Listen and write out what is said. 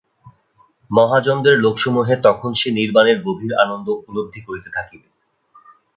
মহাজনদের লোকসমূহে তখন সে নির্বাণের গভীর আনন্দ উপলব্ধি করিতে থাকিবে।